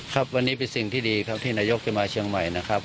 ครับวันนี้เป็นสิ่งที่ดีครับที่นายกจะมาเชียงใหม่นะครับ